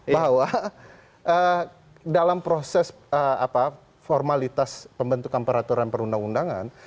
bahwa dalam proses formalitas pembentukan peraturan perundang undangan